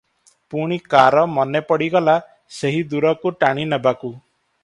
ପୁଣି କାର ମନେ ପଡ଼ିଗଲା- ସେହି ଦୂରକୁ ଟାଣି ନେବାକୁ?